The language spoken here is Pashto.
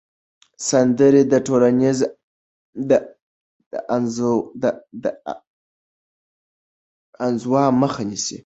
سندرې د ټولنیزې انزوا مخه نیسي.